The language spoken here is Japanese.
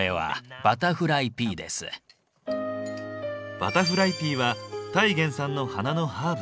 バタフライピーはタイ原産の花のハーブ。